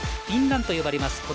インランと呼ばれます